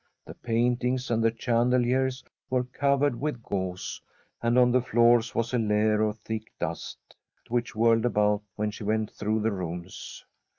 The paintings and the chandeliers were covered with gauze, and on the floors was a layer of thick dust, which whirled about when she went through the rooms.